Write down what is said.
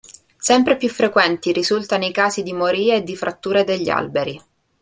Sempre più frequenti risultano i casi di moria e di fratture degli alberi.